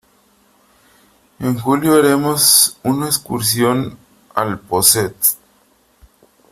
En julio haremos una excursión al Possets.